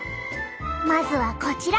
まずはこちら。